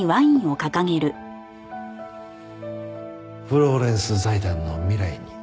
フローレンス財団の未来に。